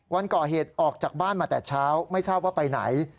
วันก่อเหตุออกจากบ้านมาแต่เช้าไม่ทราบว่าไปไหน